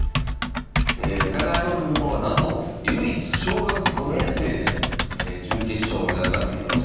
永山くんの方はなんと唯一小学５年生で準決勝まで上がってきました。